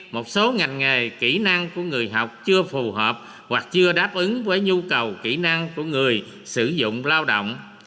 một số ngành nghề kỹ năng của người học chưa phù hợp hoặc chưa đáp ứng với nhu cầu kỹ năng của người sử dụng lao động